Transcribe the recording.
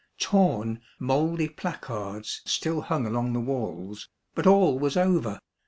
Torn, mouldy placards still hung along the walls, but all was over